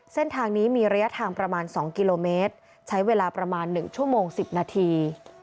เส้นทางนี้มีระยะทางประมาณ๒กิโลเมตรใช้เวลาประมาณ๑ชั่วโมง๑๐นาที